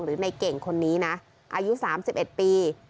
ในเก่งคนนี้นะอายุ๓๑ปี